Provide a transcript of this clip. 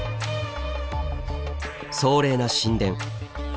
壮麗な神殿。